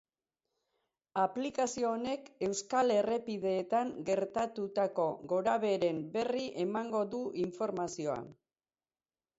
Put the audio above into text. Aplikazio honek euskal errepideetan gertatutako gorabeheren berri emango du informazioa.